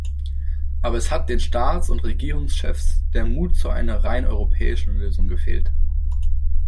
Aber es hat den Staats- und Regierungschefs der Mut zu einer rein europäischen Lösung gefehlt.